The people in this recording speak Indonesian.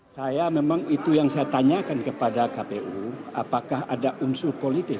saya memang itu yang saya tanyakan kepada kpu apakah ada unsur politis